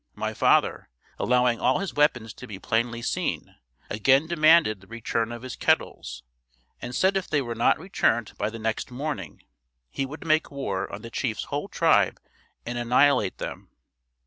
My father, allowing all his weapons to be plainly seen, again demanded the return of his kettles, and said if they were not returned by the next morning he would make war on the chief's whole tribe and annihilate them.